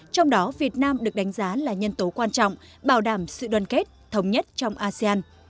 trong đó việt nam được đánh giá là nhân tố quan trọng bảo đảm sự đoàn kết thống nhất trong asean